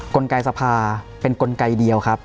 กลไกสภาเป็นกลไกเดียวครับ